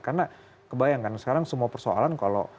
karena kebayangkan sekarang semua persoalan kalau